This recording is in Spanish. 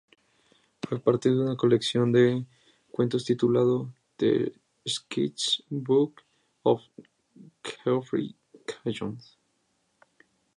Fue parte de una colección de cuentos titulado "The Sketch Book of Geoffrey Crayon".